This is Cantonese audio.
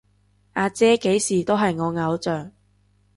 阿姐幾時都係我偶像